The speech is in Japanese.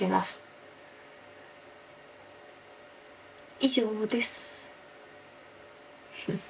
以上です。